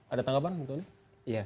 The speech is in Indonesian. ada tanggapan muthuni